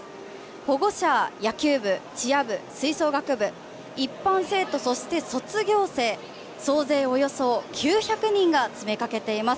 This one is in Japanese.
保護者、野球部、チア部吹奏楽部、一般生徒そして、卒業生総勢およそ９００人が詰めかけています